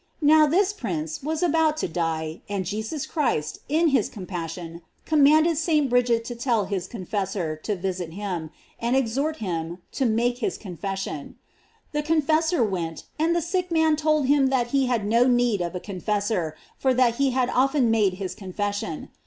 Now, this prince was about to die and Jesus Christ, in his compassion, command ed St. Bridget to tell his confessor to visit him, and exhort him, to make his confession. The confessor went, and the sick man told him that he had no need of a confessor, for that he had often made his confession.